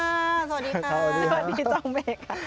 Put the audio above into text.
สวัสดีค่ะสวัสดีค่ะสวัสดีค่ะ